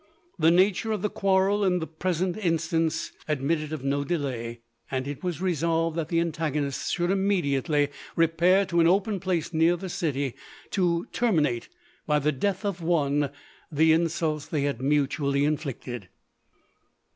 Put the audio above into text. The na ture of the quarrel in the present instance ad '260 LODORE. mitted of no delay ; and it was resolved, that the antagonists should immediately repair to an open place near the city, to terminate, by the death of one, the insults they had mutually inflicted.